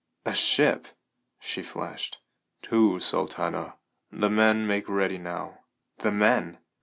"A ship?" she flashed. "Two, Sultana. The men make ready now." "The men?